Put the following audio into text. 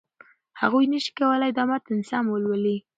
هغوی نشي کولای دا متن سم ولولي.